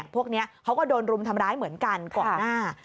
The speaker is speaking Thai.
พวกนี้เขาก็โดนรุมทำร้ายเหมือนกันก่อนหน้า